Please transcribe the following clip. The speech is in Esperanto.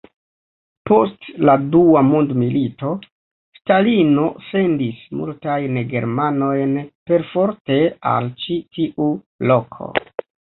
Post la Dua Mondmilito, Stalino sendis multajn germanojn perforte al ĉi tiu loko.